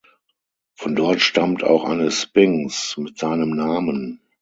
Von dort stammt auch eine Sphinx mit seinem Namen.